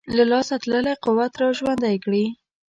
له لاسه تللی قوت را ژوندی کړي.